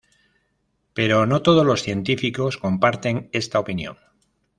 Pero no todos los científicos comparten esta opinión.